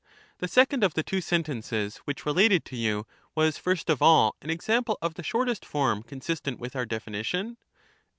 The second of the two sentences which related to you was first of all an example of the shortest form consistent with our definition.